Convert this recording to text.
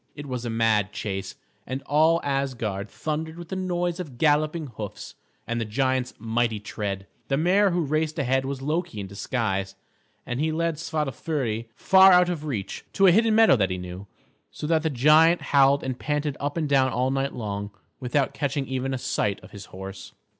It was a mad chase, and all Asgard thundered with the noise of galloping hoofs and the giant's mighty tread. The mare who raced ahead was Loki in disguise, and he led Svadilföri far out of reach, to a hidden meadow that he knew; so that the giant howled and panted up and down all night long, without catching even a sight of his horse.